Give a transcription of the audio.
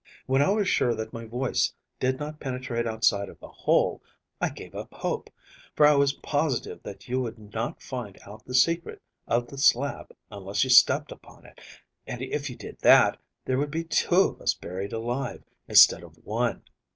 When I was sure that my voice did not penetrate outside of the hole I gave up hope, for I was positive that you would not find out the secret of that slab unless you stepped upon it, and, if you did that, there would be two of us buried alive, instead of one.